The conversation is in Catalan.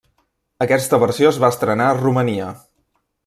Aquesta versió es va estrenar a Romania.